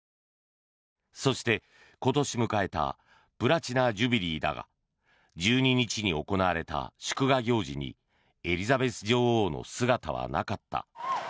そして、今年迎えたプラチナ・ジュビリーだが１２日に行われた祝賀行事にエリザベス女王の姿はなかった。